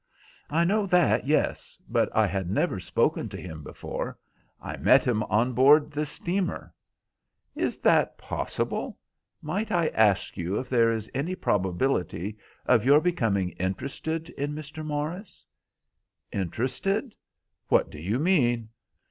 "I know that, yes, but I had never spoken to him before I met him on board this steamer." "Is that possible? Might I ask you if there is any probability of your becoming interested in Mr. Morris?" "Interested! What do you mean?"